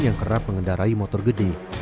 yang kerap mengendarai motor gede